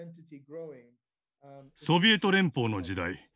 ソビエト連邦の時代